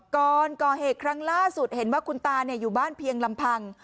ก่อนก่อเหตุครั้งล่าสุดเห็นว่าคุณตาอยู่บ้านเพียงลำพัง